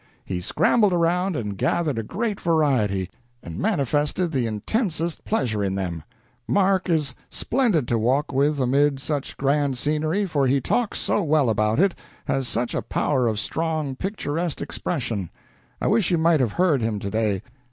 He scrambled around and gathered a great variety, and manifested the intensest pleasure in them .... Mark is splendid to walk with amid such grand scenery, for he talks so well about it, has such a power of strong, picturesque expression. I wish you might have heard him today.